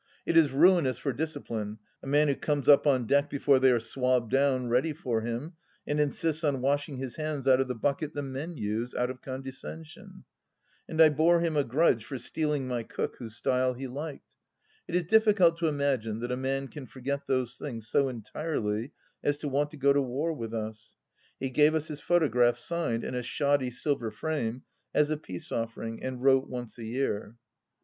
It is ruinous for discipline, a man who comes up on deck before they are swabbed down ready for him, and insists on washing his hands out of the bucket the men use, out of condescension ! And I bore him a grudge for stealing my cook, whose style he liked. It is difficult to imagine that a man can forget those things so entirely as to want to go to war with us. He gave us his photograph, signed, in a shoddy silver frame, as a peace offering and wrote once a year.